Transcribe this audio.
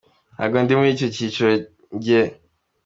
Ntabwo ndi muri icyo cyiciro njye.